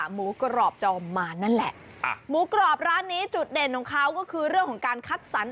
หมูกรอบจอมมารนั่นแหละหมูกรอบร้านนี้จุดเด่นของเขาก็คือเรื่องของการคัดสรร